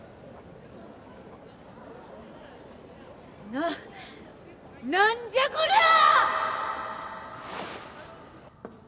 な何じゃこりゃ！